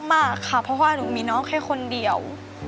มากค่ะเพราะว่าหนูมีน้องแค่คนเดียว